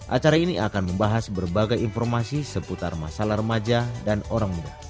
acara ini akan membahas berbagai informasi seputar masalah remaja dan orang muda